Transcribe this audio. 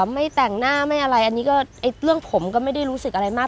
ไม่แต่งหน้าไม่อะไรอันนี้ก็เรื่องผมก็ไม่ได้รู้สึกอะไรมาก